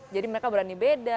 jadi mereka berani beda